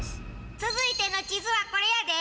続いての地図はこれやで！